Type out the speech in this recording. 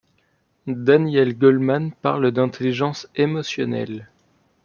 Daniel Goleman parle d'intelligence émotionnelle.